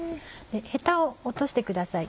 ヘタを落としてください